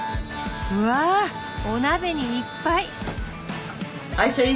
うわお鍋にいっぱい！